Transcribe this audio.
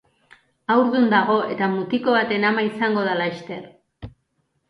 Haurdun dago eta mutiko baten ama izango da laster.